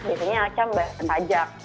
biasanya aca membayar pajak